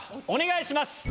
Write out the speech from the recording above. お願いします！